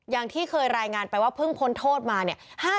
อย่างที่เคยรายงานไปว่าเพิ่งพ้นโทษมาเนี่ย